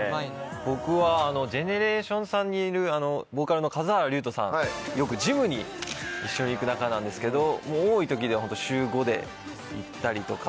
僕はＧＥＮＥＲＡＴＩＯＮＳさんにいるボーカルの数原龍友さんよくジムに一緒に行く仲なんですけど多い時で週５で行ったりとか。